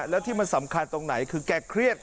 แล้วที่มันสำคัญตรงไหนคือแกเครียด